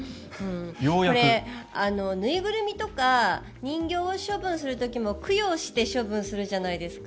縫いぐるみとか人形を処分する時も供養して処分するじゃないですか。